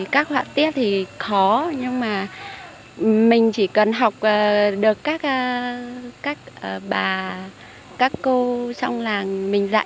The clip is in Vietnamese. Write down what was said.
các họa tiết thì khó nhưng mà mình chỉ cần học được các bà các cô trong làng mình dạy